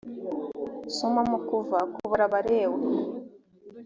soma mu kuva kubara abalewi